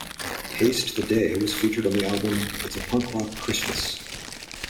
Haste the Day was featured on the album It's a Punk Rock Christmas.